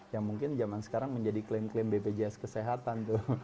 yang mungkin zaman sekarang menjadi klaim klaim bpjs kesehatan tuh